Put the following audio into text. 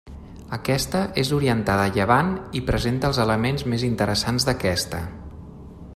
Aquesta és orientada a llevant i presenta els elements més interessants d'aquesta.